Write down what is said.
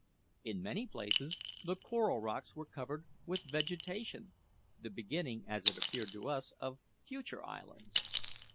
In many places the coral rocks were covered with vegetation the beginning, as it appeared to us, of future islands.